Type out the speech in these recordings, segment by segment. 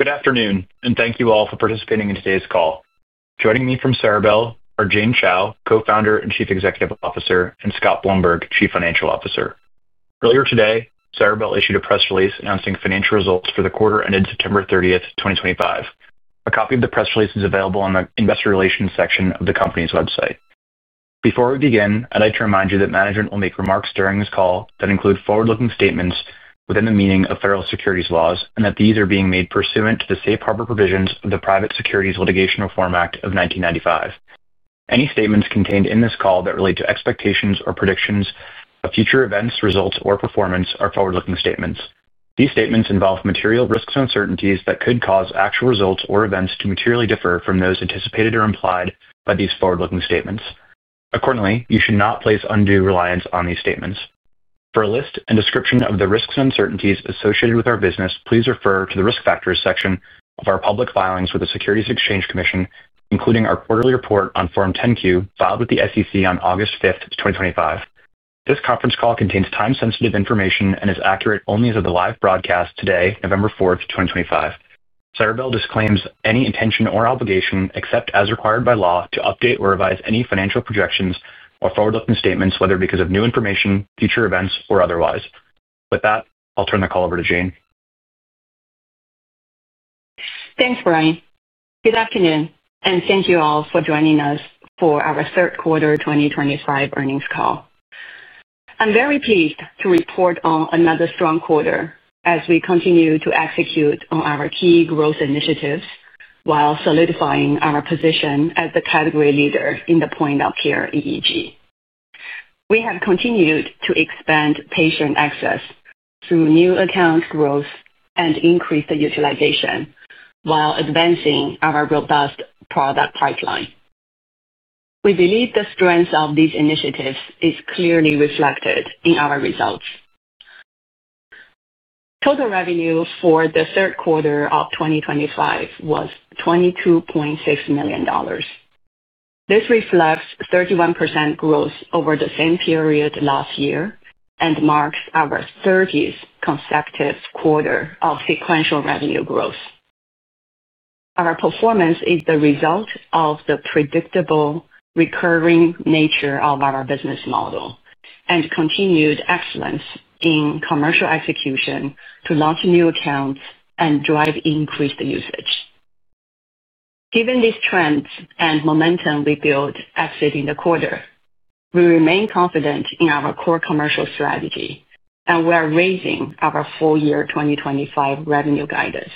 Good afternoon, and thank you all for participating in today's call. Joining me from Ceribell are Jane Chao, Co-founder and Chief Executive Officer, and Scott Blumberg, Chief Financial Officer. Earlier today, Ceribell issued a press release announcing financial results for the quarter ended September 30th, 2025. A copy of the press release is available on the investor relations section of the company's website. Before we begin, I'd like to remind you that management will make remarks during this call that include forward-looking statements within the meaning of federal securities laws and that these are being made pursuant to the safe harbor provisions of the Private Securities Litigation Reform Act of 1995. Any statements contained in this call that relate to expectations or predictions of future events, results, or performance are forward-looking statements. These statements involve material risks and uncertainties that could cause actual results or events to materially differ from those anticipated or implied by these forward-looking statements. Accordingly, you should not place undue reliance on these statements. For a list and description of the risks and uncertainties associated with our business, please refer to the risk factors section of our public filings with the Securities and Exchange Commission, including our quarterly report on Form 10-Q filed with the SEC on August 5th, 2025. This conference call contains time-sensitive information and is accurate only as of the live broadcast today, November 4th, 2025. Ceribell disclaims any intention or obligation except as required by law to update or revise any financial projections or forward-looking statements, whether because of new information, future events, or otherwise. With that, I'll turn the call over to Jane. Thanks, Brian. Good afternoon, and thank you all for joining us for our third quarter 2025 earnings call. I'm very pleased to report on another strong quarter as we continue to execute on our key growth initiatives while solidifying our position as the category leader in the point-of-care EEG. We have continued to expand patient access through new account growth and increase the utilization while advancing our robust product pipeline. We believe the strength of these initiatives is clearly reflected in our results. Total revenue for the third quarter of 2025 was $22.6 million. This reflects 31% growth over the same period last year and marks our 30th consecutive quarter of sequential revenue growth. Our performance is the result of the predictable recurring nature of our business model and continued excellence in commercial execution to launch new accounts and drive increased usage. Given these trends and momentum we built exiting the quarter, we remain confident in our core commercial strategy, and we are raising our full year 2025 revenue guidance.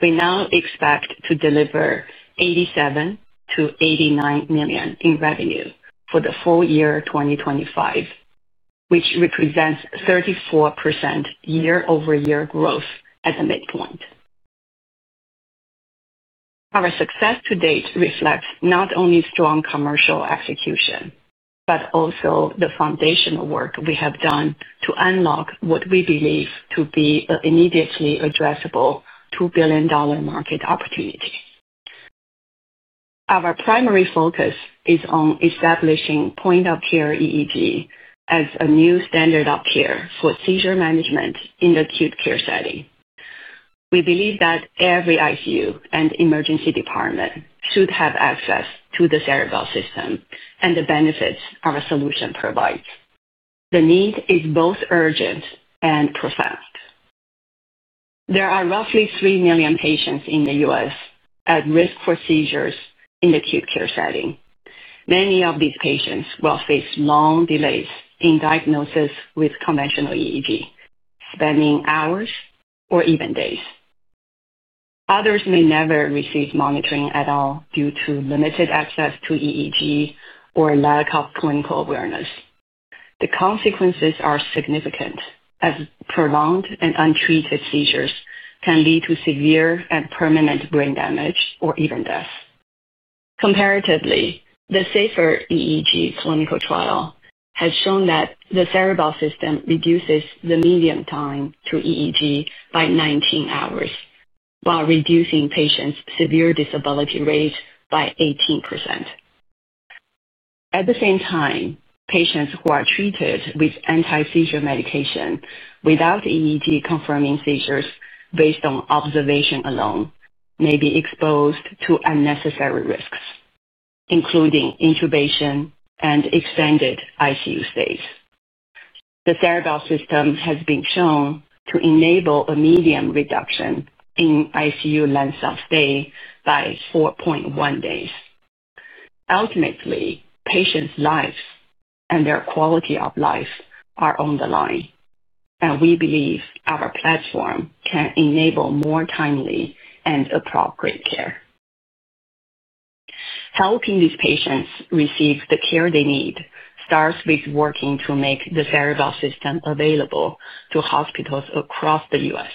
We now expect to deliver $87 million-$89 million in revenue for the full year 2025. Which represents 34% year-over-year growth at the midpoint. Our success to date reflects not only strong commercial execution but also the foundational work we have done to unlock what we believe to be an immediately addressable $2 billion market opportunity. Our primary focus is on establishing point-of-care EEG as a new standard of care for seizure management in the acute care setting. We believe that every ICU and emergency department should have access to the Ceribell system and the benefits our solution provides. The need is both urgent and profound. There are roughly 3 million patients in the U.S. at risk for seizures in the acute care setting. Many of these patients will face long delays in diagnosis with conventional EEG, spending hours or even days. Others may never receive monitoring at all due to limited access to EEG or lack of clinical awareness. The consequences are significant, as prolonged and untreated seizures can lead to severe and permanent brain damage or even death. Comparatively, the safer EEG clinical trial has shown that the Ceribell system reduces the median time to EEG by 19 hours while reducing patients' severe disability rate by 18%. At the same time, patients who are treated with anti-seizure medication without EEG confirming seizures based on observation alone may be exposed to unnecessary risks, including intubation and extended ICU stays. The Ceribell system has been shown to enable a median reduction in ICU length-of-stay by 4.1 days. Ultimately, patients' lives and their quality of life are on the line, and we believe our platform can enable more timely and appropriate care. Helping these patients receive the care they need starts with working to make the Ceribell system available to hospitals across the U.S.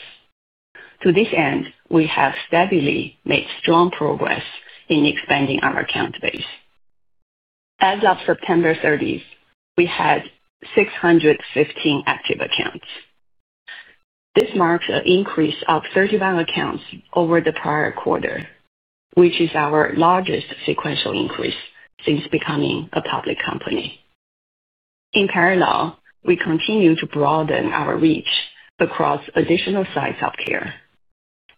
To this end, we have steadily made strong progress in expanding our account base. As of September 30th, we had 615 active accounts. This marks an increase of 31 accounts over the prior quarter, which is our largest sequential increase since becoming a public company. In parallel, we continue to broaden our reach across additional sites of care.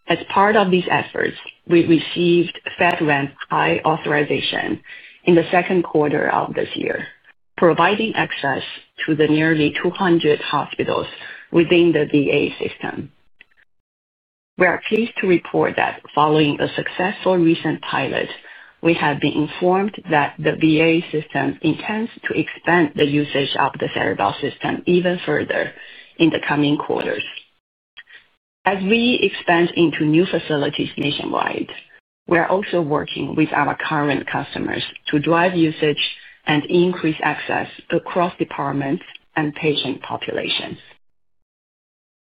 As part of these efforts, we received FedRAMP high authorization in the second quarter of this year, providing access to the nearly 200 hospitals within the VA system. We are pleased to report that following a successful recent pilot, we have been informed that the VA system intends to expand the usage of the Ceribell system even further in the coming quarters. As we expand into new facilities nationwide, we are also working with our current customers to drive usage and increase access across departments and patient populations.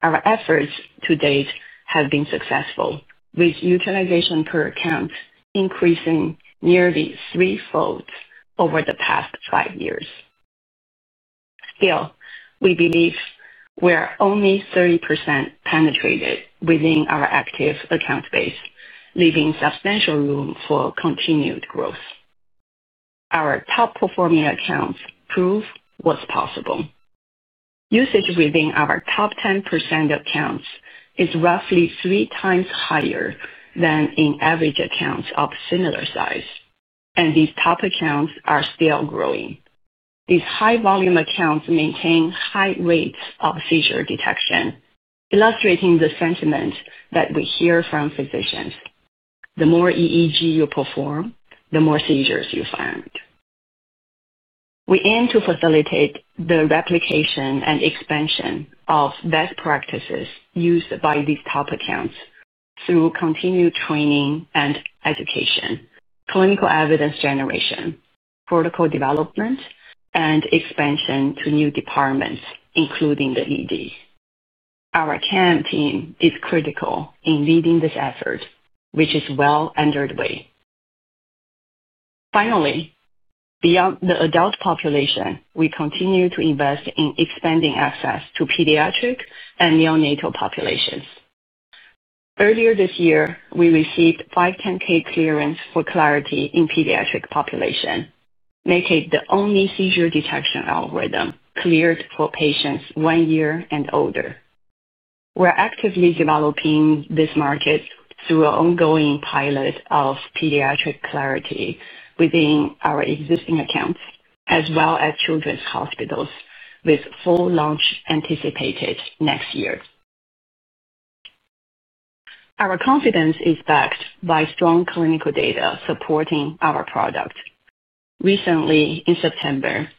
Our efforts to date have been successful, with utilization per account increasing nearly threefold over the past five years. Still, we believe we are only 30% penetrated within our active account base, leaving substantial room for continued growth. Our top-performing accounts prove what's possible. Usage within our top 10% accounts is roughly three times higher than in average accounts of similar size, and these top accounts are still growing. These high-volume accounts maintain high rates of seizure detection, illustrating the sentiment that we hear from physicians: the more EEG you perform, the more seizures you find. We aim to facilitate the replication and expansion of best practices used by these top accounts through continued training and education, clinical evidence generation, protocol development, and expansion to new departments, including the ED. Our CAM team is critical in leading this effort, which is well-underway. Finally, beyond the adult population, we continue to invest in expanding access to pediatric and neonatal populations. Earlier this year, we received 510(k) clearance for Clarity in pediatric population, making the only seizure detection algorithm cleared for patients one year and older. We're actively developing this market through an ongoing pilot of pediatric Clarity within our existing accounts, as well as children's hospitals, with full launch anticipated next year. Our confidence is backed by strong clinical data supporting our product. Recently, in September,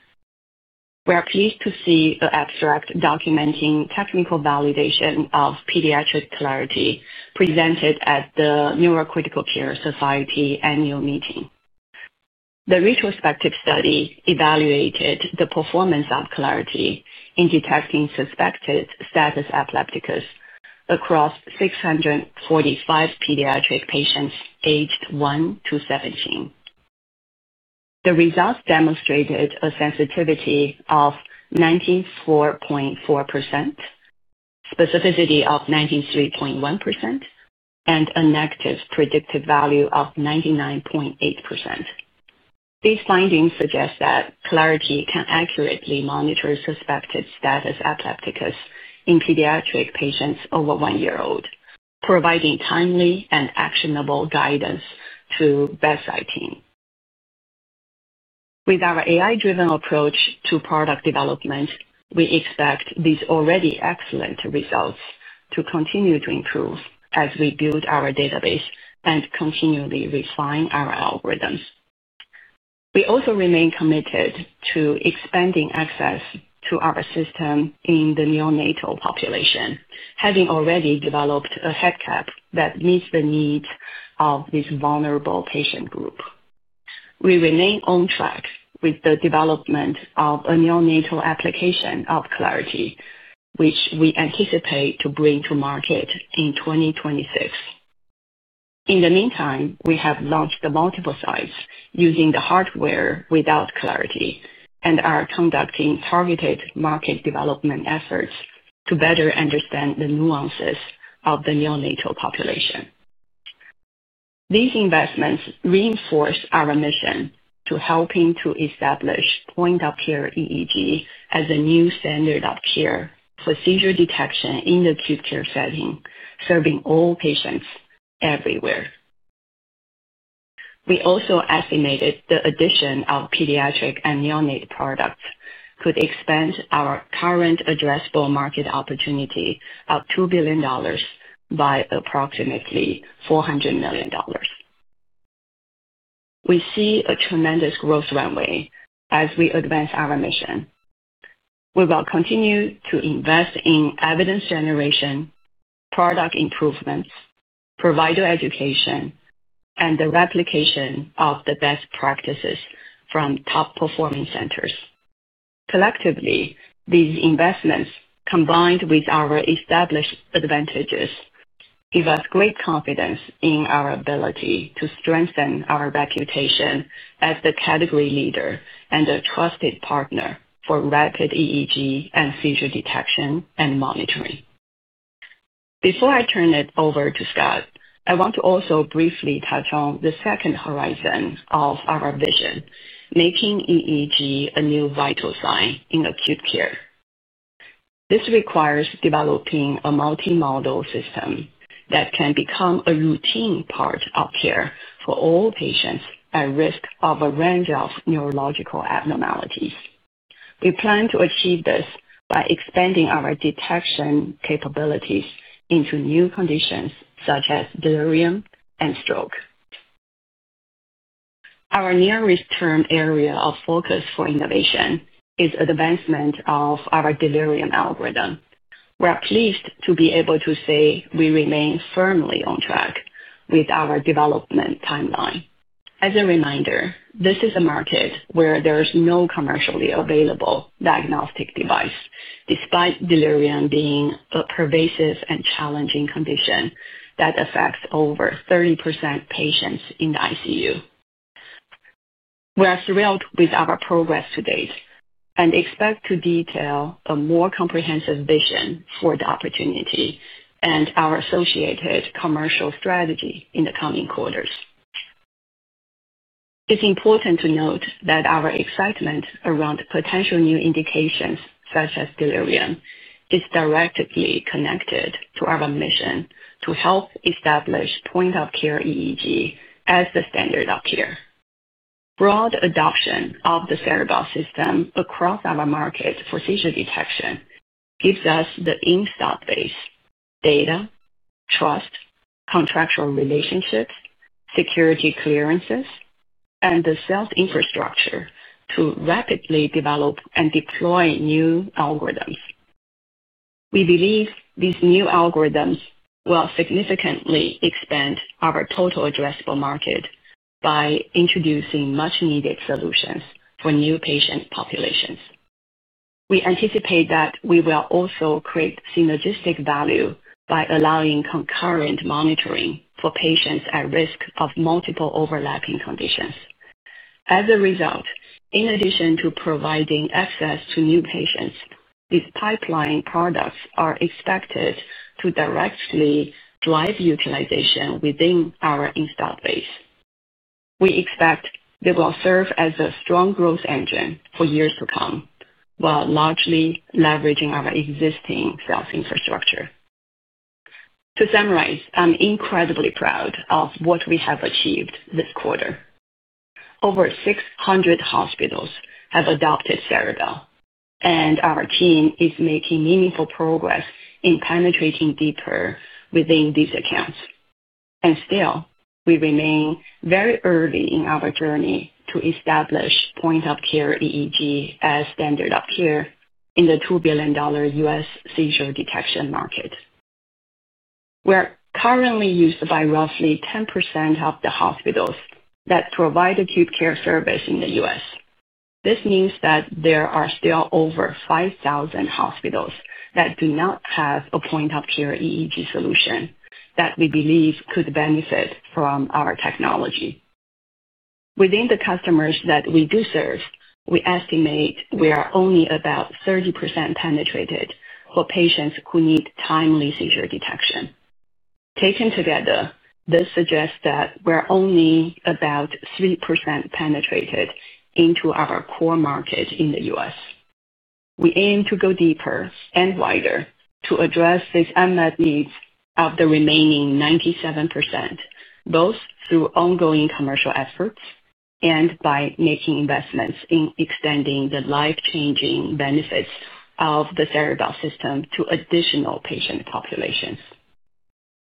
we are pleased to see an abstract documenting technical validation of pediatric Clarity presented at the NeuroCritical Care Society annual meeting. The retrospective study evaluated the performance of Clarity in detecting suspected status epilepticus across 645 pediatric patients aged 1-17. The results demonstrated a sensitivity of 94.4%, specificity of 93.1%, and a negative predictive value of 99.8%. These findings suggest that Clarity can accurately monitor suspected status epilepticus in pediatric patients over one year old, providing timely and actionable guidance to bedside team. With our AI-driven approach to product development, we expect these already excellent results to continue to improve as we build our database and continually refine our algorithms. We also remain committed to expanding access to our system in the neonatal population, having already developed a headcap that meets the needs of this vulnerable patient group. We remain on track with the development of a neonatal application of Clarity, which we anticipate to bring to market in 2026. In the meantime, we have launched multiple sites using the hardware without Clarity and are conducting targeted market development efforts to better understand the nuances of the neonatal population. These investments reinforce our mission to help to establish point-of-care EEG as a new standard of care for seizure detection in the acute care setting, serving all patients everywhere. We also estimated the addition of pediatric and neonatal products could expand our current addressable market opportunity of $2 billion by approximately $400 million. We see a tremendous growth runway as we advance our mission. We will continue to invest in evidence generation, product improvements, provider education, and the replication of the best practices from top-performing centers. Collectively, these investments, combined with our established advantages, give us great confidence in our ability to strengthen our reputation as the category leader and a trusted partner for rapid EEG and seizure detection and monitoring. Before I turn it over to Scott, I want to also briefly touch on the second horizon of our vision: making EEG a new vital sign in acute care. This requires developing a multi-modal system that can become a routine part of care for all patients at risk of a range of neurological abnormalities. We plan to achieve this by expanding our detection capabilities into new conditions such as delirium and stroke. Our nearest term area of focus for innovation is the advancement of our delirium algorithm. We're pleased to be able to say we remain firmly on track with our development timeline. As a reminder, this is a market where there is no commercially available diagnostic device, despite delirium being a pervasive and challenging condition that affects over 30% patients in the ICU. We are thrilled with our progress to date and expect to detail a more comprehensive vision for the opportunity and our associated commercial strategy in the coming quarters. It's important to note that our excitement around potential new indications such as delirium is directly connected to our mission to help establish point-of-care EEG as the standard of care. Broad adoption of the Ceribell system across our market for seizure detection gives us the installed base, data, trust, contractual relationships, security clearances, and the sales infrastructure to rapidly develop and deploy new algorithms. We believe these new algorithms will significantly expand our total addressable market by introducing much-needed solutions for new patient populations. We anticipate that we will also create synergistic value by allowing concurrent monitoring for patients at risk of multiple overlapping conditions. As a result, in addition to providing access to new patients, these pipeline products are expected to directly drive utilization within our installed base. We expect they will serve as a strong growth engine for years to come, while largely leveraging our existing sales infrastructure. To summarize, I'm incredibly proud of what we have achieved this quarter. Over 600 hospitals have adopted Ceribell, and our team is making meaningful progress in penetrating deeper within these accounts. And still, we remain very early in our journey to establish point-of-care EEG as standard of care in the $2 billion U.S. seizure detection market. We're currently used by roughly 10% of the hospitals that provide acute care service in the U.S. This means that there are still over 5,000 hospitals that do not have a point-of-care EEG solution that we believe could benefit from our technology. Within the customers that we do serve, we estimate we are only about 30% penetrated for patients who need timely seizure detection. Taken together, this suggests that we're only about 3% penetrated into our core market in the U.S. We aim to go deeper and wider to address these unmet needs of the remaining 97%, both through ongoing commercial efforts and by making investments in extending the life-changing benefits of the Ceribell system to additional patient populations.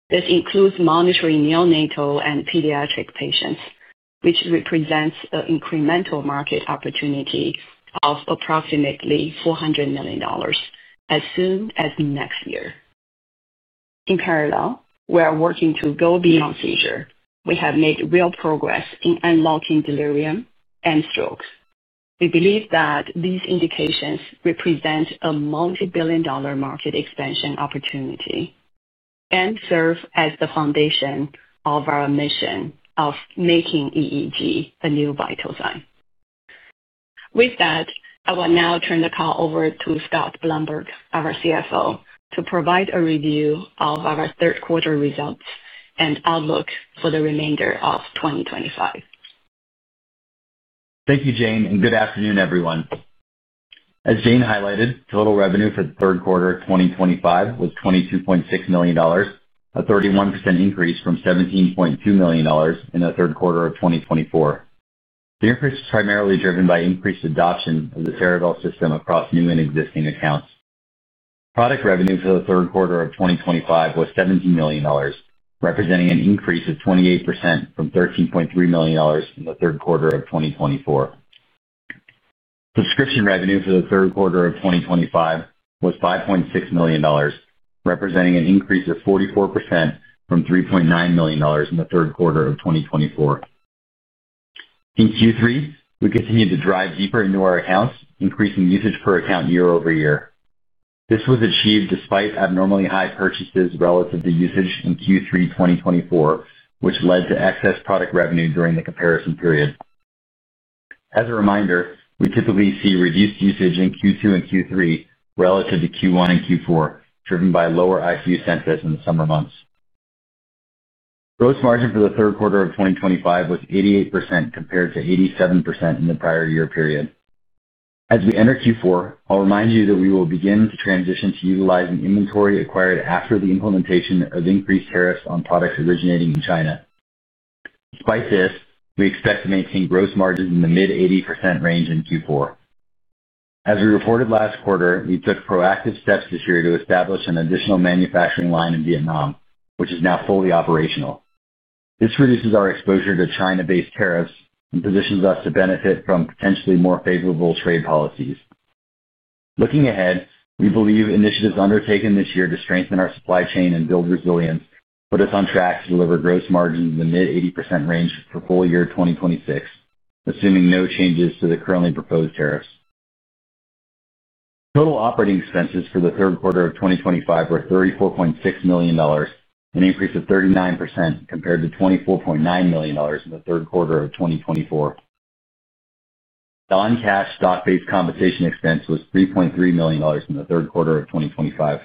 This includes monitoring neonatal and pediatric patients, which represents an incremental market opportunity of approximately $400 million. As soon as next year. In parallel, we are working to go beyond seizure. We have made real progress in unlocking delirium and strokes. We believe that these indications represent a multi-billion dollar market expansion opportunity. And serve as the foundation of our mission of making EEG a new vital sign. With that, I will now turn the call over to Scott Blumberg, our CFO, to provide a review of our third quarter results and outlook for the remainder of 2025. Thank you, Jane, and good afternoon, everyone. As Jane highlighted, total revenue for the third quarter of 2025 was $22.6 million, a 31% increase from $17.2 million in the third quarter of 2024. The increase is primarily driven by increased adoption of the Ceribell system across new and existing accounts. Product revenue for the third quarter of 2025 was $17 million, representing an increase of 28% from $13.3 million in the third quarter of 2024. Subscription revenue for the third quarter of 2025 was $5.6 million, representing an increase of 44% from $3.9 million in the third quarter of 2024. In Q3, we continued to drive deeper into our accounts, increasing usage per account year-over-year. This was achieved despite abnormally high purchases relative to usage in Q3 2024, which led to excess product revenue during the comparison period. As a reminder, we typically see reduced usage in Q2 and Q3 relative to Q1 and Q4, driven by lower ICU census in the summer months. Gross margin for the third quarter of 2025 was 88% compared to 87% in the prior year period. As we enter Q4, I'll remind you that we will begin to transition to utilizing inventory acquired after the implementation of increased tariffs on products originating in China. Despite this, we expect to maintain gross margins in the mid-80% range in Q4. As we reported last quarter, we took proactive steps this year to establish an additional manufacturing line in Vietnam, which is now fully operational. This reduces our exposure to China-based tariffs and positions us to benefit from potentially more favorable trade policies. Looking ahead, we believe initiatives undertaken this year to strengthen our supply chain and build resilience put us on track to deliver gross margins in the mid-80% range for full year 2026, assuming no changes to the currently proposed tariffs. Total operating expenses for the third quarter of 2025 were $34.6 million, an increase of 39% compared to $24.9 million in the third quarter of 2024. Non-cash stock-based compensation expense was $3.3 million in the third quarter of 2025.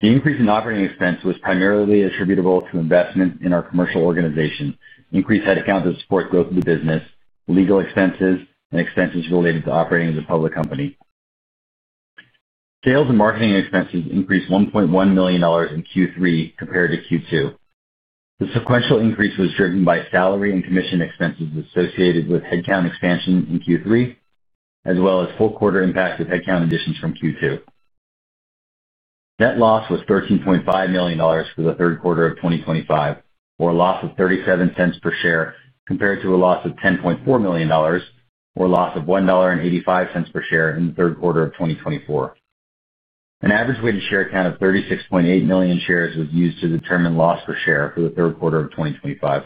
The increase in operating expense was primarily attributable to investment in our commercial organization, increased headcount to support growth of the business, legal expenses, and expenses related to operating as a public company. Sales and marketing expenses increased $1.1 million in Q3 compared to Q2. The sequential increase was driven by salary and commission expenses associated with headcount expansion in Q3, as well as full-quarter impact of headcount additions from Q2. Net loss was $13.5 million for the third quarter of 2025, or a loss of $0.37 per share compared to a loss of $10.4 million, or a loss of $1.85 per share in the third quarter of 2024. An average weighted share count of 36.8 million shares was used to determine loss per share for the third quarter of 2025.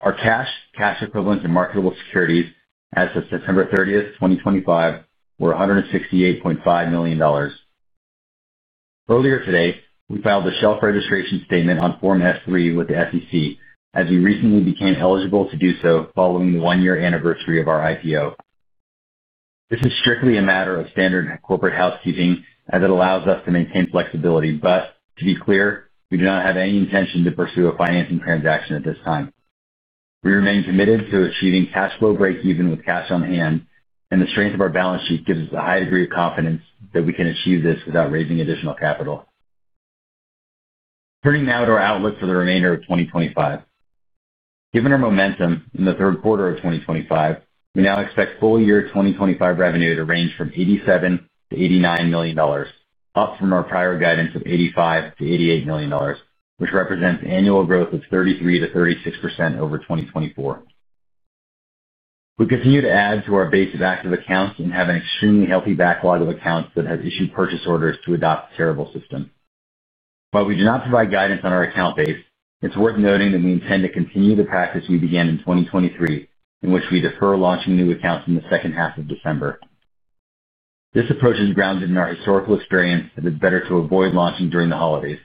Our cash, cash equivalents, and marketable securities as of September 30th, 2025, were $168.5 million. Earlier today, we filed a shelf registration statement on Form S-3 with the SEC, as we recently became eligible to do so following the one-year anniversary of our IPO. This is strictly a matter of standard corporate housekeeping, as it allows us to maintain flexibility. But to be clear, we do not have any intention to pursue a financing transaction at this time. We remain committed to achieving cash flow break-even with cash on hand, and the strength of our balance sheet gives us a high degree of confidence that we can achieve this without raising additional capital. Turning now to our outlook for the remainder of 2025. Given our momentum in the third quarter of 2025, we now expect full year 2025 revenue to range from $87 million-$89 million, up from our prior guidance of $85 million-$88 million, which represents annual growth of 33%-36% over 2024. We continue to add to our base of active accounts and have an extremely healthy backlog of accounts that have issued purchase orders to adopt the Ceribell system. While we do not provide guidance on our account base, it's worth noting that we intend to continue the practice we began in 2023, in which we defer launching new accounts in the second half of December. This approach is grounded in our historical experience that it's better to avoid launching during the holidays,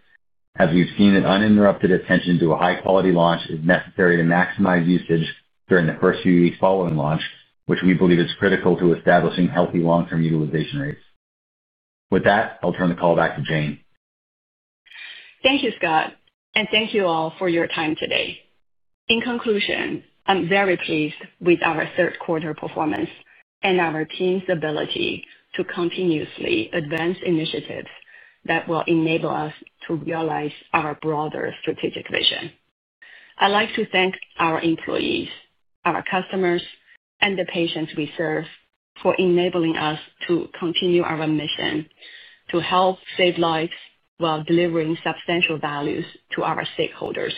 as we've seen that uninterrupted attention to a high-quality launch is necessary to maximize usage during the first few weeks following launch, which we believe is critical to establishing healthy long-term utilization rates. With that, I'll turn the call back to Jane. Thank you, Scott, and thank you all for your time today. In conclusion, I'm very pleased with our third-quarter performance and our team's ability to continuously advance initiatives that will enable us to realize our broader strategic vision. I'd like to thank our employees, our customers, and the patients we serve for enabling us to continue our mission to help save lives while delivering substantial values to our stakeholders.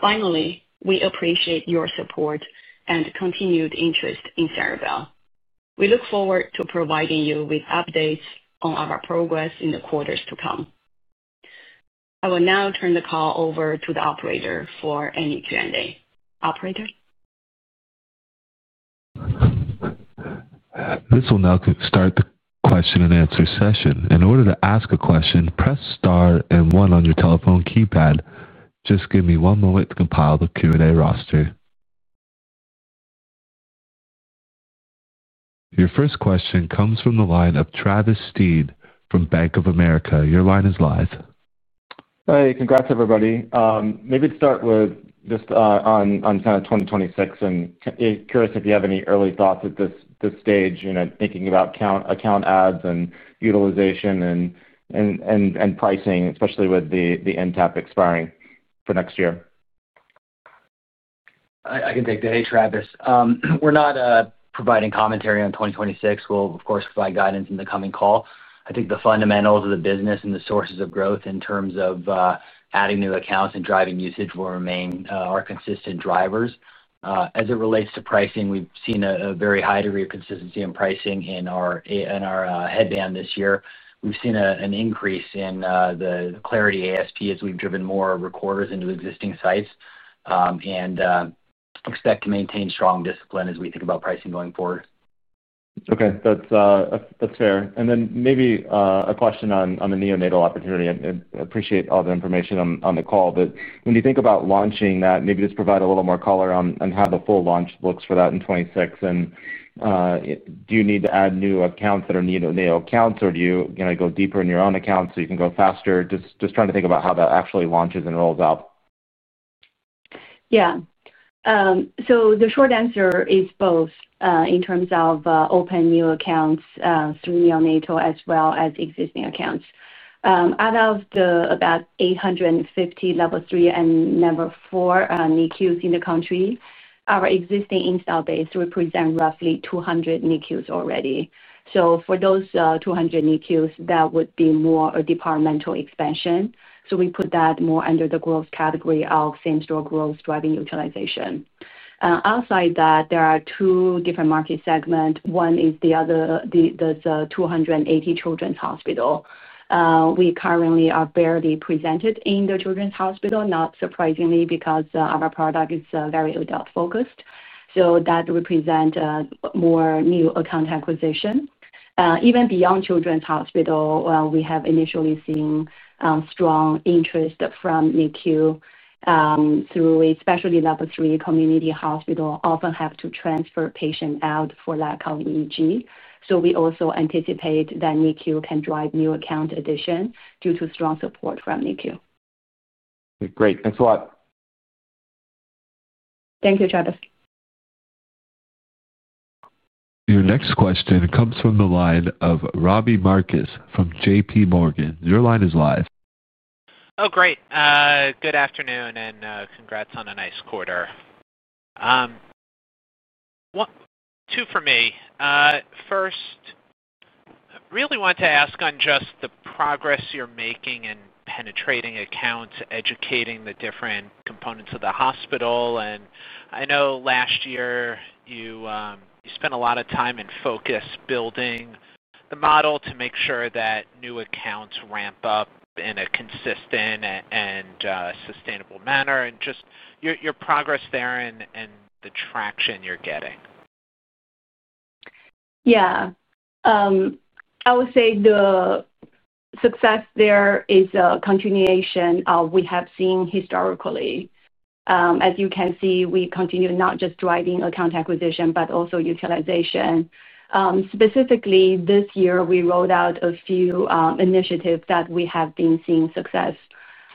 Finally, we appreciate your support and continued interest in Ceribell. We look forward to providing you with updates on our progress in the quarters to come. I will now turn the call over to the operator for any Q&A. Operator? This will now start the question-and-answer session. In order to ask a question, press star and one on your telephone keypad. Just give me one moment to compile the Q&A roster. Your first question comes from the line of Travis Steed from Bank of America. Your line is live. Hey, congrats, everybody. Maybe to start with just on kind of 2026, I'm curious if you have any early thoughts at this stage in thinking about account adds and utilization and pricing, especially with the end cap expiring for next year. I can take that. Hey, Travis. We're not providing commentary on 2026. We'll, of course, provide guidance in the coming call. I think the fundamentals of the business and the sources of growth in terms of adding new accounts and driving usage will remain our consistent drivers. As it relates to pricing, we've seen a very high degree of consistency in pricing in our headband this year. We've seen an increase in the Clarity ASP as we've driven more recorders into existing sites. And expect to maintain strong discipline as we think about pricing going forward. Okay. That's fair. And then maybe a question on the neonatal opportunity. I appreciate all the information on the call. But when you think about launching that, maybe just provide a little more color on how the full launch looks for that in 2026. And do you need to add new accounts that are neonatal accounts, or do you want to go deeper in your own accounts so you can go faster? Just trying to think about how that actually launches and rolls out. Yeah. So the short answer is both in terms of opening new accounts through neonatal as well as existing accounts. Out of the about 850 level three and level four NICUs in the country, our existing installed base represents roughly 200 NICUs already. So for those 200 NICUs, that would be more a departmental expansion. So we put that more under the growth category of same-store growth driving utilization. Outside that, there are two different market segments. One is the other. The 280 children's hospital. We currently are barely presented in the children's hospital, not surprisingly, because our product is very adult-focused. So that represents more new account acquisition. Even beyond children's hospital, we have initially seen strong interest from NICU. Through a specialty level three community hospital, often have to transfer patients out for lack of EEG. So we also anticipate that NICU can drive new account addition due to strong support from NICU. Okay. Great. Thanks a lot. Thank you, Travis. Your next question comes from the line of Robby Marcus from JPMorgan. Your line is live. Oh, great. Good afternoon and congrats on a nice quarter. Two for me. First. Really want to ask on just the progress you're making in penetrating accounts, educating the different components of the hospital. And I know last year you spent a lot of time and focus building the model to make sure that new accounts ramp up in a consistent and sustainable manner. And just your progress there and the traction you're getting. Yeah. I would say success there is a continuation of what we have seen historically. As you can see, we continue not just driving account acquisition, but also utilization. Specifically, this year, we rolled out a few initiatives that we have been seeing success.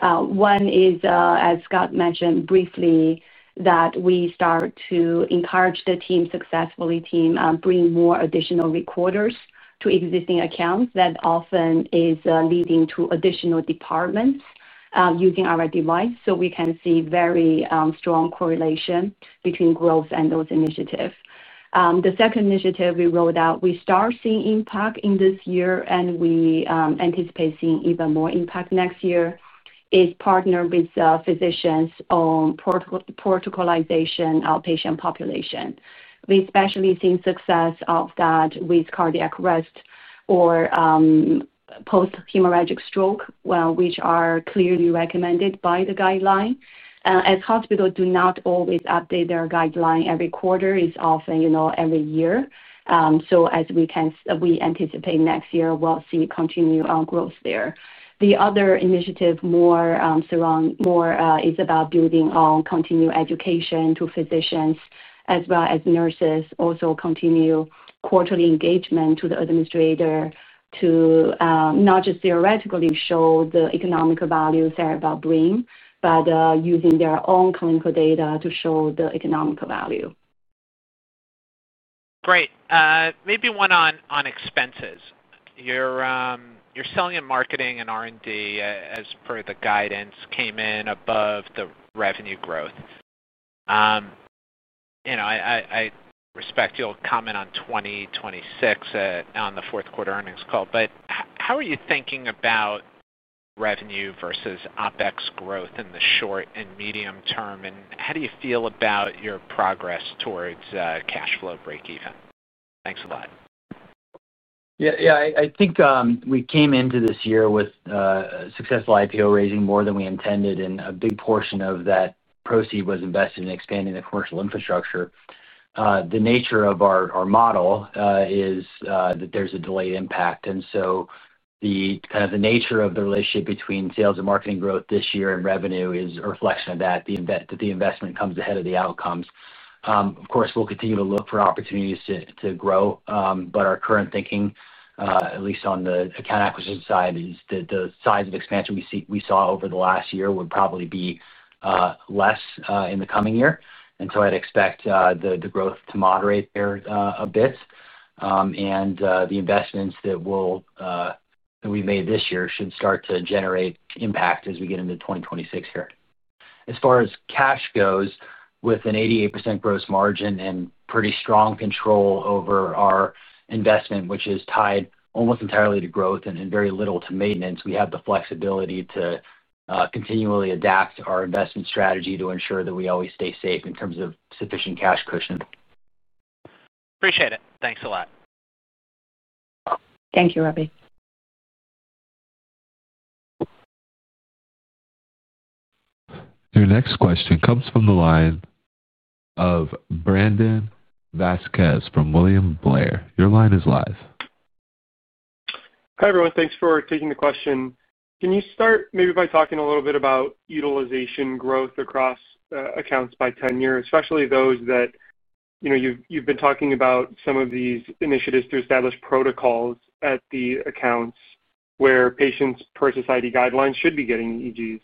One is, as Scott mentioned briefly, that we start to encourage the team successfully to bring more additional recorders to existing accounts. That often is leading to additional departments using our device. So we can see very strong correlation between growth and those initiatives. The second initiative we rolled out, we start seeing impact in this year, and we anticipate seeing even more impact next year, is partner with physicians on protocolization of patient population. We especially see success of that with cardiac arrest or post-hemorrhagic stroke, which are clearly recommended by the guideline. As hospitals do not always update their guideline every quarter, it's often every year. So as we anticipate next year, we'll see continued growth there. The other initiative more surrounding is about building on continued education to physicians as well as nurses. Also continue quarterly engagement to the administrator to not just theoretically show the economic value Ceribell brings, but using their own clinical data to show the economic value. Great. Maybe one on expenses. Your selling and marketing and R&D as per the guidance came in above the revenue growth. I expect you'll comment on 2026 on the fourth-quarter earnings call. But how are you thinking about revenue versus OpEx growth in the short and medium term? And how do you feel about your progress towards cash flow break-even? Thanks a lot. Yeah. Yeah. I think we came into this year with. Successful IPO raising more than we intended, and a big portion of that proceed was invested in expanding the commercial infrastructure. The nature of our model is that there's a delayed impact. And so kind of the nature of the relationship between sales and marketing growth this year and revenue is a reflection of that, that the investment comes ahead of the outcomes. Of course, we'll continue to look for opportunities to grow. But our current thinking, at least on the account acquisition side, is that the size of expansion we saw over the last year would probably be less in the coming year. And so I'd expect the growth to moderate there a bit. And the investments that we've made this year should start to generate impact as we get into 2026 here. As far as cash goes, with an 88% gross margin and pretty strong control over our investment, which is tied almost entirely to growth and very little to maintenance, we have the flexibility to continually adapt our investment strategy to ensure that we always stay safe in terms of sufficient cash cushion. Appreciate it. Thanks a lot. Thank you, Robby. Your next question comes from the line of Brandon Vasquez from William Blair. Your line is live. Hi, everyone. Thanks for taking the question. Can you start maybe by talking a little bit about utilization growth across accounts by tenure, especially those that you've been talking about some of these initiatives to establish protocols at the accounts where patients per society guidelines should be getting EEGs?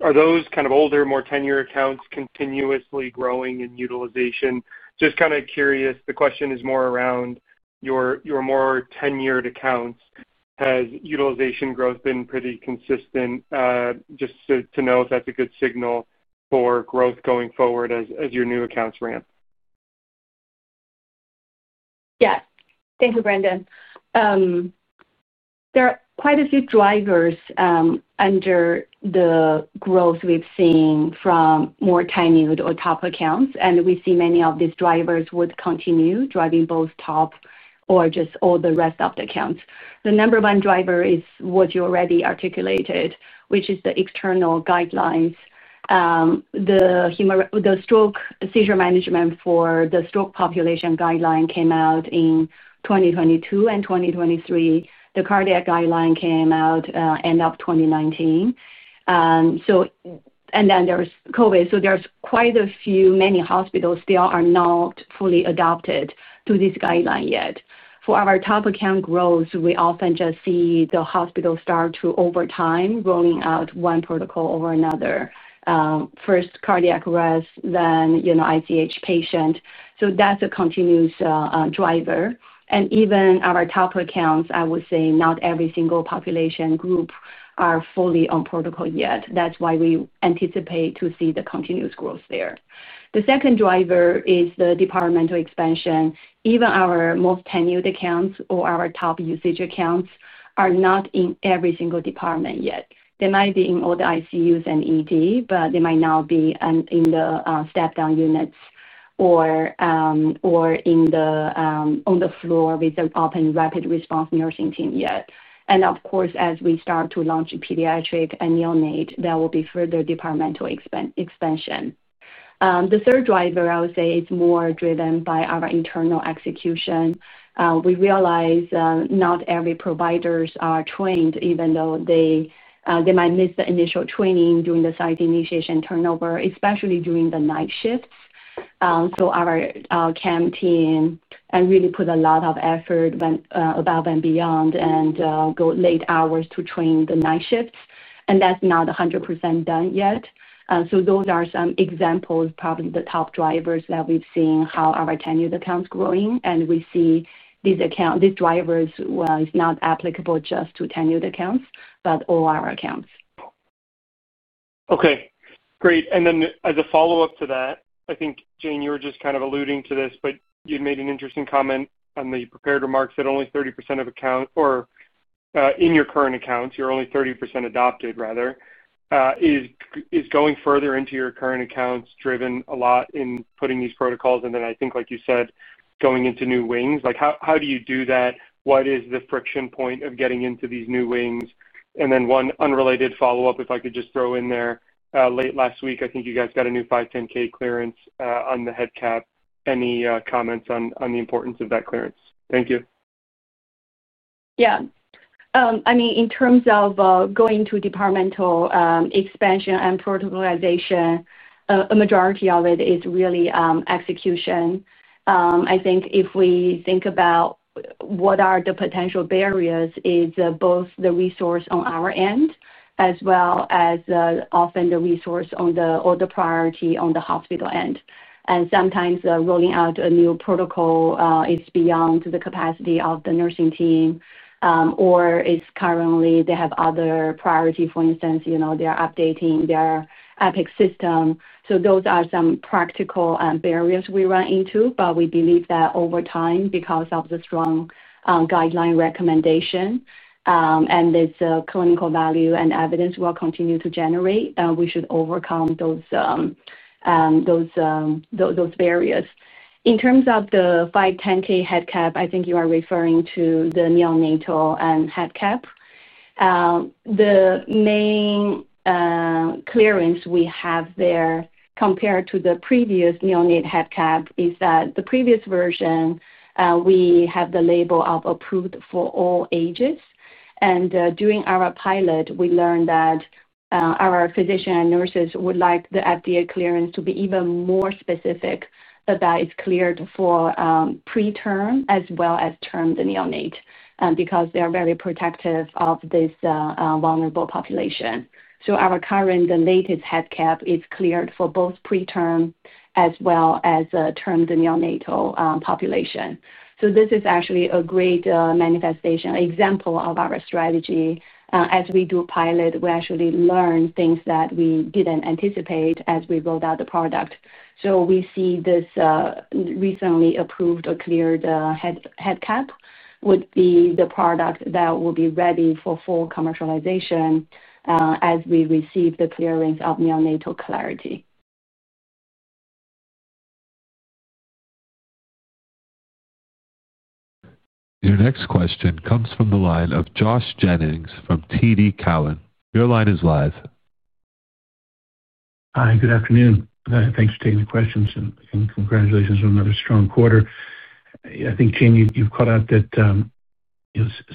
Are those kind of older, more tenure accounts continuously growing in utilization? Just kind of curious. The question is more around your more tenured accounts. Has utilization growth been pretty consistent? Just to know if that's a good signal for growth going forward as your new accounts ramp. Yes. Thank you, Brandon. There are quite a few drivers under the growth we've seen from more tenured or top accounts. And we see many of these drivers would continue driving both top or just all the rest of the accounts. The number one driver is what you already articulated, which is the external guidelines. The stroke seizure management for the stroke population guideline came out in 2022 and 2023. The cardiac guideline came out end of 2019. And then there's COVID. So there's quite a few, many hospitals still are not fully adopted to this guideline yet. For our top account growth, we often just see the hospital start to, over time, rolling out one protocol over another. First cardiac arrest, then ICH patient. So that's a continuous driver. And even our top accounts, I would say not every single population group are fully on protocol yet. That's why we anticipate to see the continuous growth there. The second driver is the departmental expansion. Even our most tenured accounts or our top usage accounts are not in every single department yet. They might be in all the ICUs and EDs, but they might not be in the step-down units or on the floor with an open rapid response nursing team yet. And of course, as we start to launch pediatric and neonatal, there will be further departmental expansion. The third driver, I would say, is more driven by our internal execution. We realize not every provider is trained, even though they might miss the initial training during the site initiation turnover, especially during the night shifts. So our CAM team really put a lot of effort above and beyond and go late hours to train the night shifts. And that's not 100% done yet. So those are some examples, probably the top drivers that we've seen how our tenured accounts are growing. And we see these drivers are not applicable just to tenured accounts, but all our accounts. Okay. Great. And then as a follow-up to that, I think, Jane, you were just kind of alluding to this, but you made an interesting comment on the prepared remarks that only 30% of accounts or in your current accounts, you're only 30% adopted, rather, is going further into your current accounts driven a lot in putting these protocols? And then I think, like you said, going into new wings. How do you do that? What is the friction point of getting into these new wings? And then one unrelated follow-up, if I could just throw in there, late last week, I think you guys got a new 510(k) clearance on the headcap. Any comments on the importance of that clearance? Thank you. Yeah. I mean, in terms of going to departmental expansion and protocolization, a majority of it is really execution. I think if we think about what are the potential barriers, it's both the resource on our end as well as often the resource on the other priority on the hospital end. And sometimes rolling out a new protocol is beyond the capacity of the nursing team. Or currently, they have other priorities. For instance, they are updating their Epic system. So those are some practical barriers we run into. But we believe that over time, because of the strong guideline recommendation and there's clinical value and evidence we'll continue to generate, we should overcome those barriers. In terms of the 510(k) headcap, I think you are referring to the neonatal headcap. The main clearance we have there compared to the previous neonatal headcap is that the previous version we have the label of cleared for all ages. And during our pilot, we learned that our physicians and nurses would like the FDA clearance to be even more specific about it's cleared for preterm as well as term neonates because they are very protective of this vulnerable population. So our current, the latest headcap is cleared for both preterm as well as term neonatal population. So this is actually a great manifestation, example of our strategy. As we do pilot, we actually learn things that we didn't anticipate as we rolled out the product. So we see this. The recently approved or cleared headcap would be the product that will be ready for full commercialization. As we receive the clearance of Neonatal Clarity. Your next question comes from the line of Josh Jennings from TD Cowen. Your line is live. Hi. Good afternoon. Thanks for taking the questions and congratulations on another strong quarter. I think, Jane, you've called out that.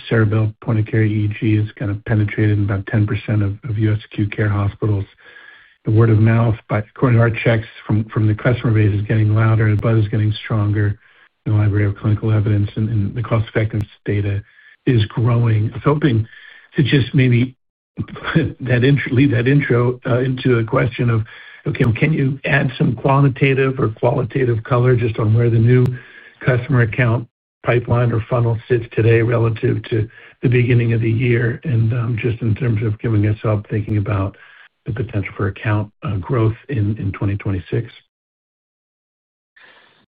Ceribell point-of-care EEG has kind of penetrated about 10% of U.S. acute care hospitals. The word of mouth, according to our checks from the customer base, is getting louder. Buzz is getting stronger in the library of clinical evidence. And the cost-effectiveness data is growing. I was hoping to just maybe leave that intro into a question of, okay, can you add some quantitative or qualitative color just on where the new customer account pipeline or funnel sits today relative to the beginning of the year? And just in terms of giving us help thinking about the potential for account growth in 2026.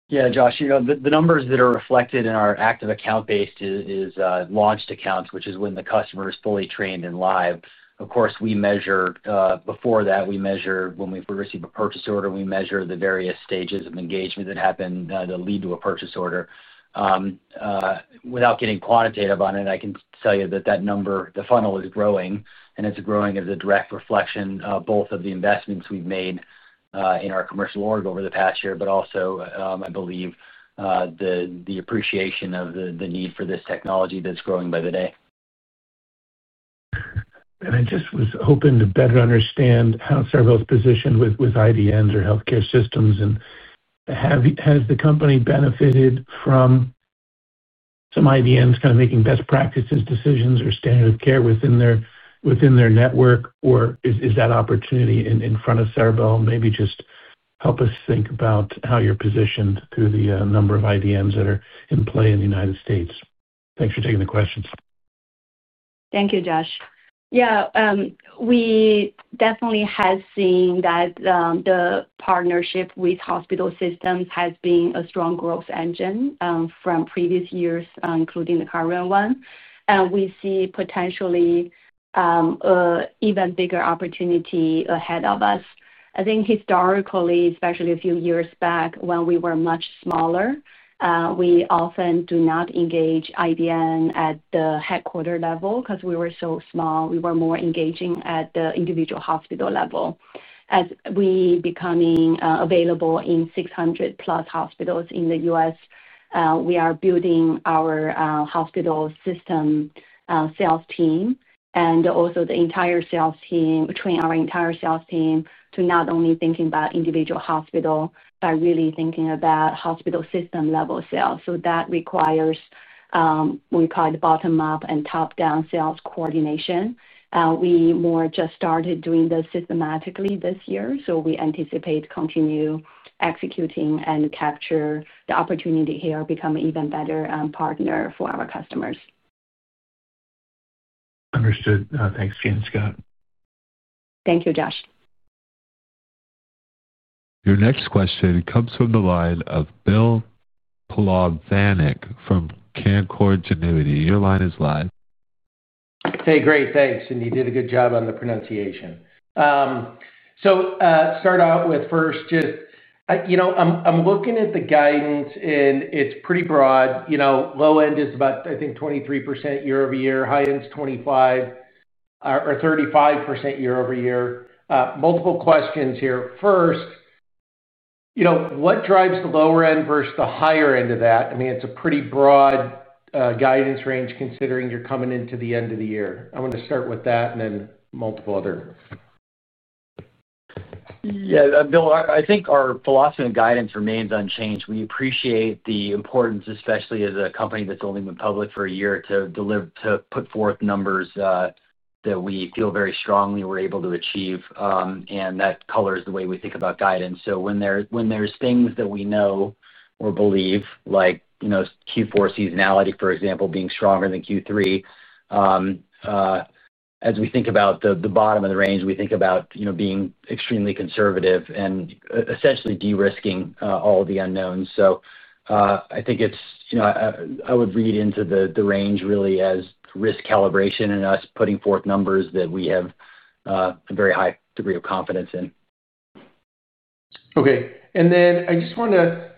Yeah, Josh, the numbers that are reflected in our active account base is launched accounts, which is when the customer is fully trained and live. Of course, before that, when we receive a purchase order, we measure the various stages of engagement that happen that lead to a purchase order. Without getting quantitative on it, I can tell you that that number, the funnel is growing. And it's growing as a direct reflection of both of the investments we've made in our commercial org over the past year, but also, I believe the appreciation of the need for this technology that's growing by the day. And I just was hoping to better understand how Ceribell is positioned with IDNs or healthcare systems. And has the company benefited from some IDNs kind of making best practices decisions or standard of care within their network? Or is that opportunity in front of Ceribell? Maybe just help us think about how you're positioned through the number of IDNs that are in play in the United States. Thanks for taking the questions. Thank you, Josh. Yeah. We definitely have seen that the partnership with hospital systems has been a strong growth engine from previous years, including the current one. And we see potentially an even bigger opportunity ahead of us. I think historically, especially a few years back when we were much smaller, we often do not engage IDN at the headquarter level because we were so small. We were more engaging at the individual hospital level. As we are becoming available in 600+ hospitals in the U.S., we are building our hospital system sales team and also train our entire sales team to not only think about individual hospitals, but really thinking about hospital system-level sales. So that requires what we call bottom-up and top-down sales coordination. We more just started doing this systematically this year. So we anticipate continuing executing and capturing the opportunity here, becoming an even better partner for our customers. Understood. Thanks, Jane and Scott. Thank you, Josh. Your next question comes from the line of Bill Plovanic from Canaccord Genuity. Your line is live. Hey, great. Thanks. And you did a good job on the pronunciation. So start out with first, just. I'm looking at the guidance, and it's pretty broad. Low end is about, I think, 23% year-over-year. High end is 25% or 35% year-over-year. Multiple questions here. First. What drives the lower end versus the higher end of that? I mean, it's a pretty broad guidance range considering you're coming into the end of the year. I want to start with that and then multiple other. Yeah. Bill, I think our philosophy and guidance remains unchanged. We appreciate the importance, especially as a company that's only been public for a year, to put forth numbers that we feel very strongly we're able to achieve. And that colors the way we think about guidance. So when there's things that we know or believe, like Q4 seasonality, for example, being stronger than Q3. As we think about the bottom of the range, we think about being extremely conservative and essentially de-risking all the unknowns. So I think it's. I would read into the range really as risk calibration and us putting forth numbers that we have. A very high degree of confidence in. Okay. And then I just want to.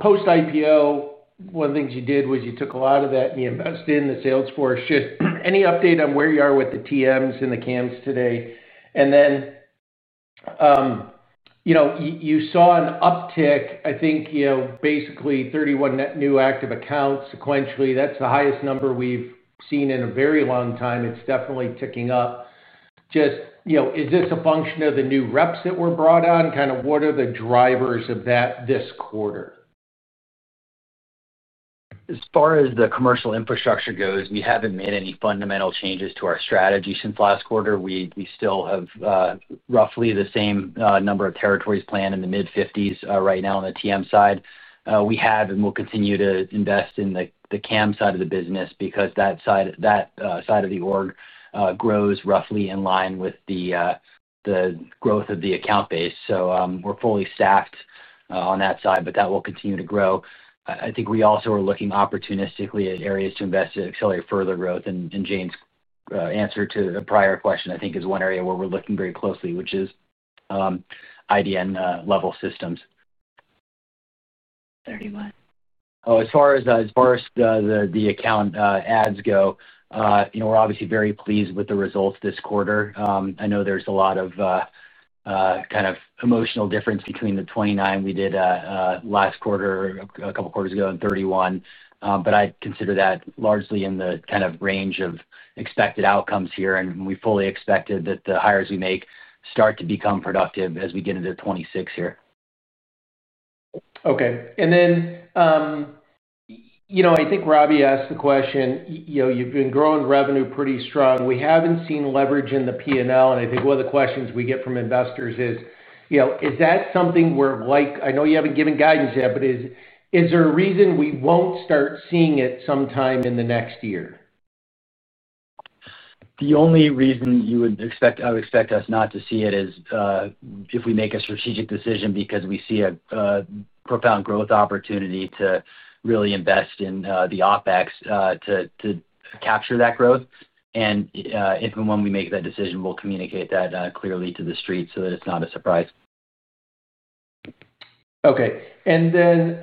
Post-IPO, one of the things you did was you took a lot of that and you invested in the sales force. Just any update on where you are with the TMs and the CAMs today? And then. You saw an uptick, I think. Basically 31 new active accounts sequentially. That's the highest number we've seen in a very long time. It's definitely ticking up. Just is this a function of the new reps that were brought on? Kind of what are the drivers of that this quarter? As far as the commercial infrastructure goes, we haven't made any fundamental changes to our strategy since last quarter. We still have roughly the same number of territories planned in the mid-50s right now on the TM side. We have and will continue to invest in the CAM side of the business because that. Side of the org grows roughly in line with the. Growth of the account base. So we're fully staffed on that side, but that will continue to grow. I think we also are looking opportunistically. Areas to invest to accelerate further growth. And Jane's answer to a prior question, I think, is one area where we're looking very closely, which is. IDN-level systems. 31. Oh, as far as. The account adds go, we're obviously very pleased with the results this quarter. I know there's a lot of. Kind of immaterial difference between the 29 we did last quarter, a couple of quarters ago, and 31. But I'd consider that largely in the kind of range of expected outcomes here. And we fully expected that the hires we make start to become productive as we get into 2026 here. Okay. And then. I think Robby asked the question. You've been growing revenue pretty strong. We haven't seen leverage in the P&L. And I think one of the questions we get from investors is. Is that something where I know you haven't given guidance yet, but is there a reason we won't start seeing it sometime in the next year? The only reason you would expect us not to see it is if we make a strategic decision because we see a profound growth opportunity to really invest in the OpEx to. Capture that growth. And if and when we make that decision, we'll communicate that clearly to the street so that it's not a surprise. Okay. And then.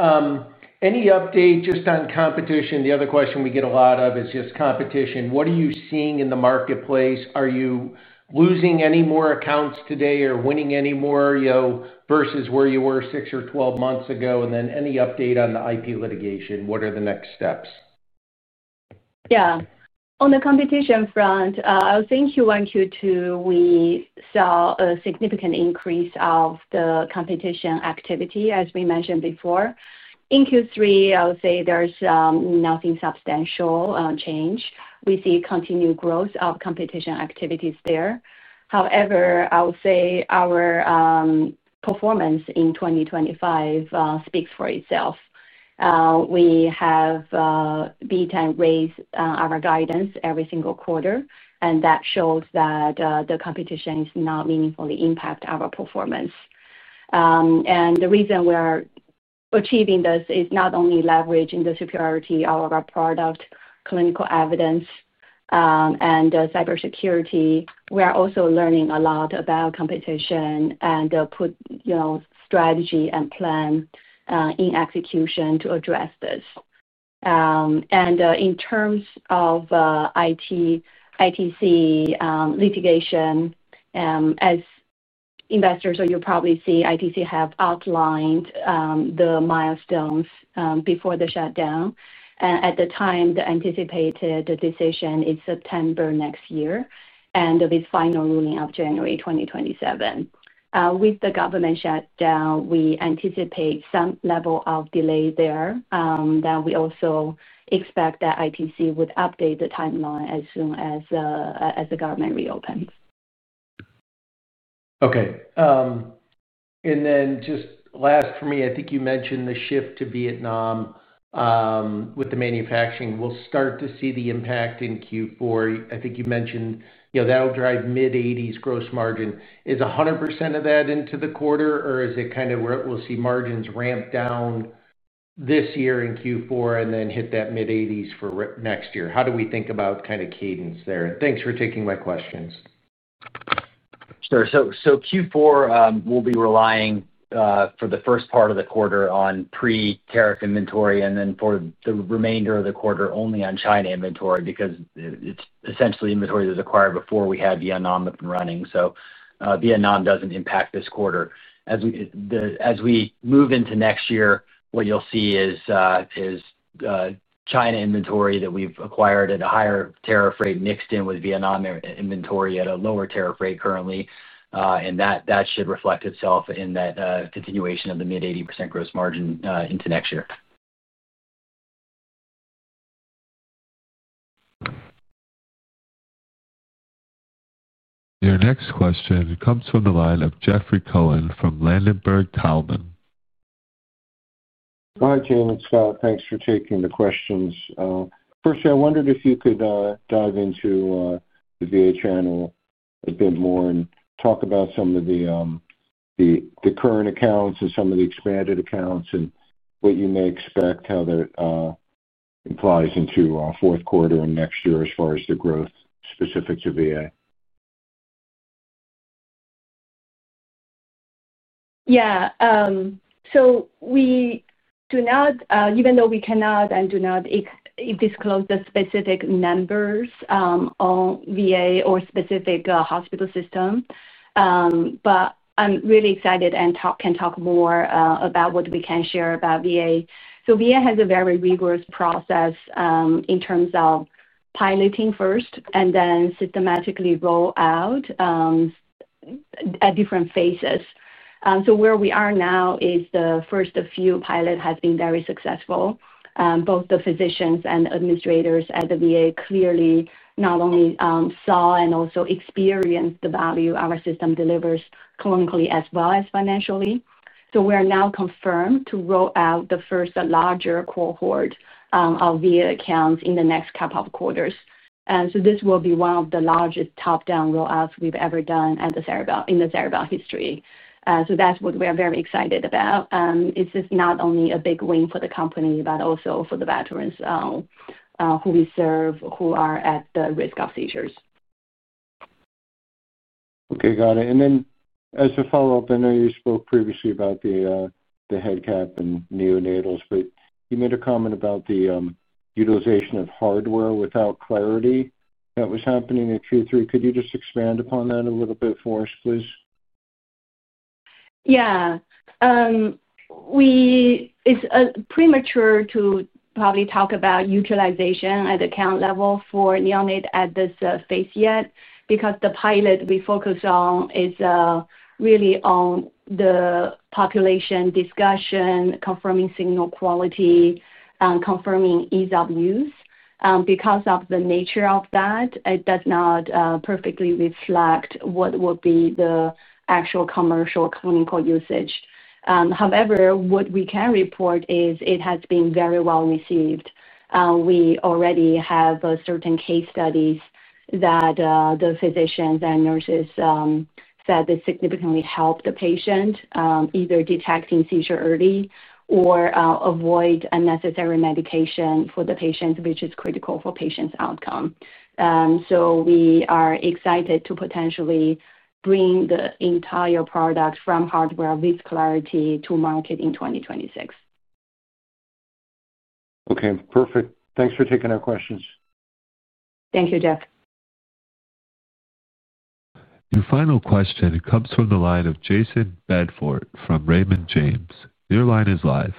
Any update just on competition? The other question we get a lot of is just competition. What are you seeing in the marketplace? Are you losing any more accounts today or winning any more. Versus where you were six or 12 months ago? And then any update on the IP litigation? What are the next steps? Yeah. On the competition front, I think Q1, Q2, we saw a significant increase of the competition activity, as we mentioned before. In Q3, I would say there's nothing substantial change. We see continued growth of competition activities there. However, I would say our. Performance in 2025 speaks for itself. We have. Been raising our guidance every single quarter. And that shows that the competition is not meaningfully impacting our performance. And the reason we're achieving this is not only leveraging the superiority of our product, clinical evidence. And cybersecurity. We are also learning a lot about competition and. Strategy and plan. In execution to address this. And in terms of. ITC. Litigation. As investors, you probably see ITC have outlined the milestones before the shutdown. And at the time, the anticipated decision is September next year and with final ruling of January 2027. With the government shutdown, we anticipate some level of delay there. That we also expect that ITC would update the timeline as soon as. The government reopens. Okay. And then just last for me, I think you mentioned the shift to Vietnam. With the manufacturing. We'll start to see the impact in Q4. I think you mentioned that'll drive mid-80s gross margin. Is 100% of that into the quarter, or is it kind of where we'll see margins ramp down. This year in Q4 and then hit that mid-80s for next year? How do we think about kind of cadence there? And thanks for taking my questions. Sure. So Q4, we'll be relying for the first part of the quarter on pre-tariff inventory and then for the remainder of the quarter only on China inventory because it's essentially inventory that's acquired before we have Vietnam up and running. So Vietnam doesn't impact this quarter. As we move into next year, what you'll see is China inventory that we've acquired at a higher tariff rate mixed in with Vietnam inventory at a lower tariff rate currently. And that should reflect itself in that continuation of the mid-80% gross margin into next year. Your next question comes from the line of Jeffrey Cohen from Ladenburg Thalmann. Hi, Jane and Scott. Thanks for taking the questions. First, I wondered if you could dive into the VA channel a bit more and talk about some of the current accounts and some of the expanded accounts and what you may expect, how that implies into our fourth quarter and next year as far as the growth specific to VA. Yeah. So we do not, even though we cannot and do not disclose the specific numbers on VA or specific hospital system. But I'm really excited and can talk more about what we can share about VA. So VA has a very rigorous process in terms of piloting first and then systematically roll out at different phases. So where we are now is the first few pilots have been very successful. Both the physicians and administrators at the VA clearly not only saw and also experienced the value our system delivers clinically as well as financially. So we are now confirmed to roll out the first larger cohort of VA accounts in the next couple of quarters. And so this will be one of the largest top-down rollouts we've ever done in the Ceribell history. So that's what we are very excited about. It's just not only a big win for the company, but also for the veterans who we serve, who are at the risk of seizures. Okay. Got it. And then as a follow-up, I know you spoke previously about the headcap and neonatals, but you made a comment about the utilization of hardware without Clarity that was happening in Q3. Could you just expand upon that a little bit for us, please? Yeah. It's premature to probably talk about utilization at the account level for neonate at this phase yet because the pilot we focus on is really on the population discussion, confirming signal quality, and confirming ease of use. Because of the nature of that, it does not perfectly reflect what will be the actual commercial clinical usage. However, what we can report is it has been very well received. We already have certain case studies that the physicians and nurses said they significantly help the patient either detecting seizure early or avoid unnecessary medication for the patient, which is critical for patient's outcome. So we are excited to potentially bring the entire product from hardware with clarity to market in 2026. Okay. Perfect. Thanks for taking our questions. Thank you, Jeff. Your final question comes from the line of Jayson Bedford from Raymond James. Their line is live.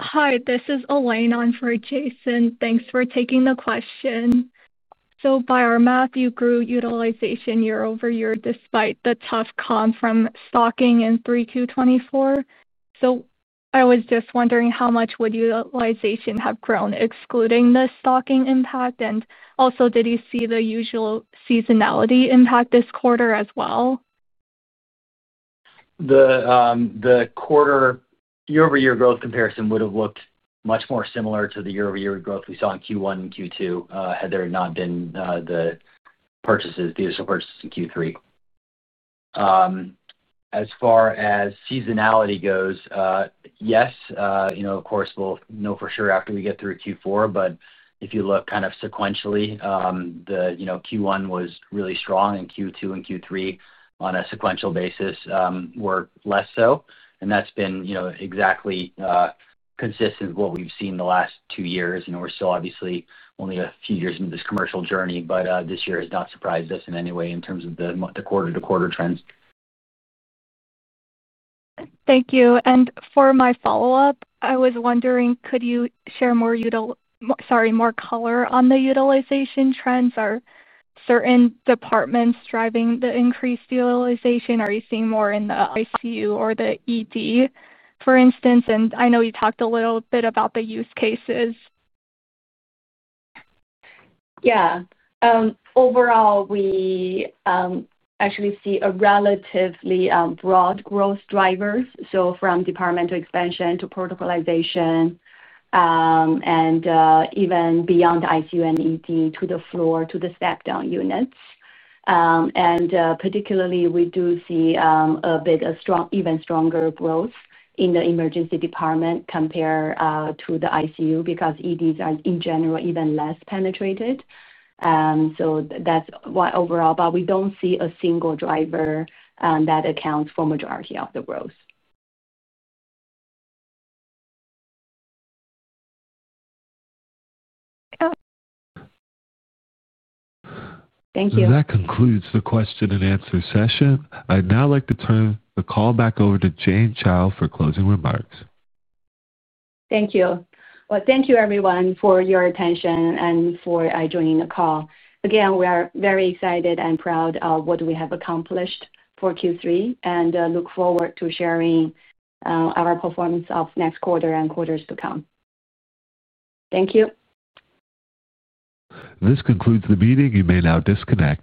Hi, this is Elaine on for Jason. Thanks for taking the question. So by our math, you grew utilization year-over-year despite the tough comp from stocking in 3Q24. So I was just wondering how much would utilization have grown, excluding the stocking impact? And also, did you see the usual seasonality impact this quarter as well? The quarter year-over-year growth comparison would have looked much more similar to the year-over-year growth we saw in Q1 and Q2 had there not been the purchases, the additional purchases in Q3. As far as seasonality goes, yes. Of course, we'll know for sure after we get through Q4. But if you look kind of sequentially, Q1 was really strong, and Q2 and Q3 on a sequential basis were less so. And that's been exactly consistent with what we've seen the last two years. And we're still obviously only a few years into this commercial journey, but this year has not surprised us in any way in terms of the quarter-to-quarter trends. Thank you. And for my follow-up, I was wondering, could you share more. Sorry, more color on the utilization trends? Are certain departments driving the increased utilization? Are you seeing more in the ICU or the ED, for instance? And I know you talked a little bit about the use cases. Yeah. Overall, we actually see relatively broad growth drivers. So from departmental expansion to protocolization. And even beyond ICU and ED to the floor to the step-down units. And particularly, we do see a bit of even stronger growth in the emergency department compared to the ICU because EDs are, in general, even less penetrated. So that's why overall, but we don't see a single driver that accounts for the majority of the growth. Thank you. That concludes the question and answer session. I'd now like to turn the call back over to Jane Chao for closing remarks. Thank you. Well, thank you, everyone, for your attention and for joining the call. Again, we are very excited and proud of what we have accomplished for Q3 and look forward to sharing our performance of next quarter and quarters to come. Thank you. This concludes the meeting. You may now disconnect.